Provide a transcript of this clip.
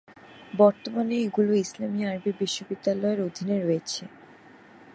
বর্তমানে এগুলো ইসলামি আরবি বিশ্ববিদ্যালয়ের অধীনে রয়েছে।